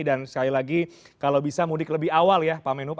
dan sekali lagi kalau bisa mudik lebih awal ya pak menhub